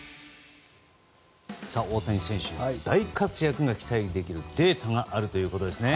大谷選手の大活躍が期待できるデータがあるということですね。